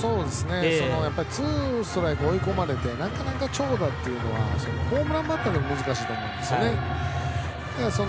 ツーストライク追い込まれてなかなか長打というのはホームランバッターでも難しいんです。